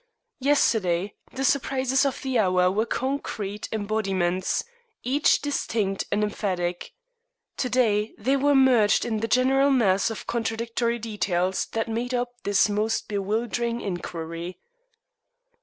Yesterday, the surprises of the hour were concrete embodiments, each distinct and emphatic. To day they were merged in the general mass of contradictory details that made up this most bewildering inquiry.